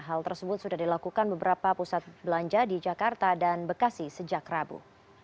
hal tersebut sudah dilakukan beberapa pusat belanja di jakarta dan bekasi sejak rabu